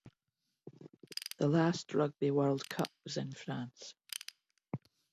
The last rugby word cup was in France.